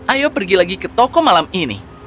ayo pergi lagi ke toko malam ini